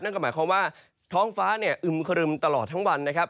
นั่นก็หมายความว่าท้องฟ้าเนี่ยอึมครึมตลอดทั้งวันนะครับ